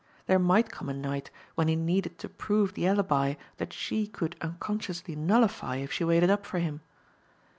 There might come a night when he needed to prove the alibi that she could unconsciously nullify if she waited up for him.